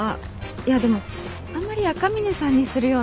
いやでもあんまり赤嶺さんにするような話じゃ。